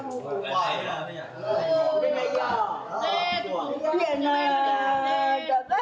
waktunya dilalui rumah adat